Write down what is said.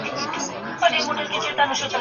معنوي وده د انسان روح پیاوړی کوي.